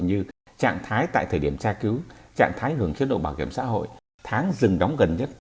như trạng thái tại thời điểm tra cứu trạng thái hưởng chế độ bảo hiểm xã hội tháng dừng đóng gần nhất